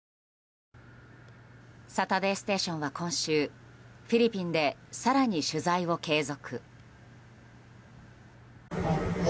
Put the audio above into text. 「サタデーステーション」は今週、フィリピンで更に取材を継続。